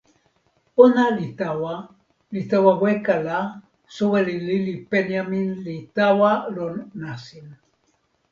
ona li tawa, li tawa weka la, soweli lili Penjamin li tawa lon nasin